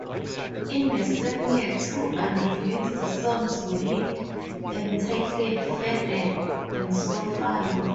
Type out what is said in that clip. In the same year two unreleased songs were leaked, entitled 'Faded' and 'So Fine'.